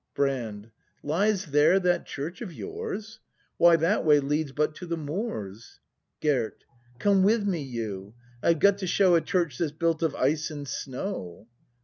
Brand. Lies there that church of yours ? Why, that way leads but to the moors. Gerd. Come with me, you; I've got to show A church that's built of ice and snow!